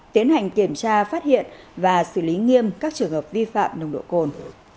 tiến hành kiểm tra phát hiện và xử lý nghiêm các trường hợp vi phạm nồng độ cồn